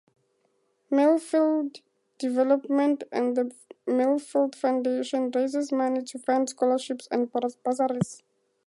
Millfield Development and the Millfield Foundation, raises money to fund scholarships and bursaries.